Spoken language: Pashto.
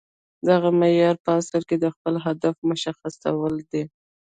دغه معیار په اصل کې د خپل هدف مشخصول دي